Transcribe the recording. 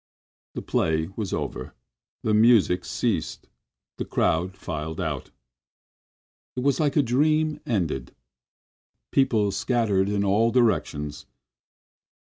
The play was over, the music ceased, the crowd filed out. It was like a dream ended. People scattered in all directions.